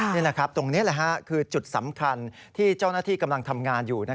นี่แหละครับตรงนี้คือจุดสำคัญที่เจ้าหน้าที่กำลังทำงานอยู่